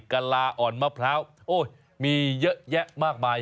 กะลาอ่อนมะพร้าวมีเยอะแยะมากมาย